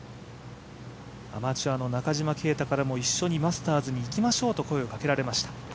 アマチュアの中島啓太からも一緒にマスターズに行きましょうと声をかけられました。